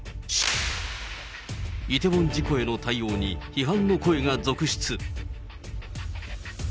イテウォン事故への対応に、批判の声が続出。